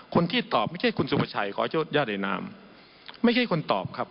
คนที่ตอบไม่ใช่คุณสุภาชัยขอโทษญาติในนามไม่ใช่คนตอบครับ